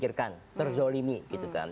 terpikirkan terzolimi gitu kan